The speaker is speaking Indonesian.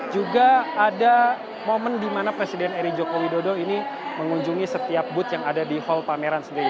juga ada momen di mana presiden eri joko widodo ini mengunjungi setiap booth yang ada di hall pameran sendiri